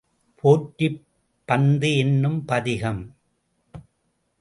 போற்றிப் பந்து என்னும் பதிகம்.